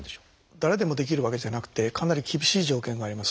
誰でもできるわけじゃなくてかなり厳しい条件があります。